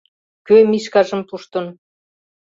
Кӧ Мишкажым пуштын?